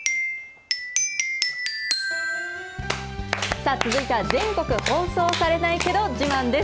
さあ、続いては、全国放送されないけど自慢です。